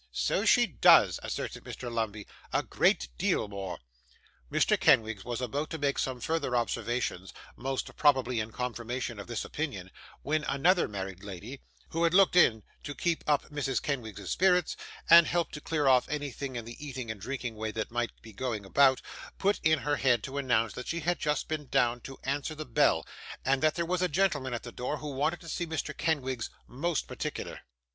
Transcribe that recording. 'So she does,' assented Mr. Lumbey. 'A great deal more.' Mr. Kenwigs was about to make some further observations, most probably in confirmation of this opinion, when another married lady, who had looked in to keep up Mrs. Kenwigs's spirits, and help to clear off anything in the eating and drinking way that might be going about, put in her head to announce that she had just been down to answer the bell, and that there was a gentleman at the door who wanted to see Mr. Kenwigs 'most particular.